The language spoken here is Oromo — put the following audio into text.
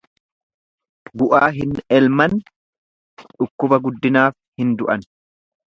Gu'aa hin elman, dhukkuba guddinaaf hin du'an.